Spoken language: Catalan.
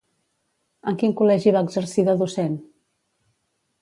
En quin col·legi va exercir de docent?